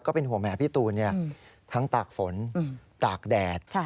เป็นห่วงแหพี่ตูนทั้งตากฝนตากแดด